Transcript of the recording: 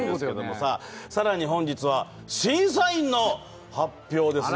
さらに本日は、審査員の発表ですね。